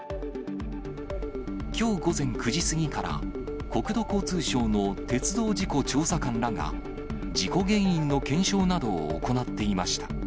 きょう午前９時すぎから、国土交通省の鉄道事故調査官らが、事故原因の検証などを行っていました。